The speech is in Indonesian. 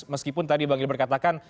meskipun tadi bang gilbert katakan